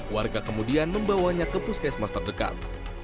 warga kemudian membawanya ke puskesmas terdekat